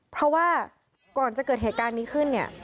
เพราะว่าก่อนจะเกิดเหตุการณ์นี้ขึ้นเนี่ย